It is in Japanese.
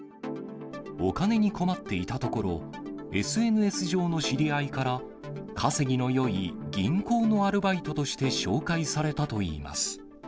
お金に困っていたところ、ＳＮＳ上の知り合いから、稼ぎのよい銀行のアルバイトとして、紹介されたといいます。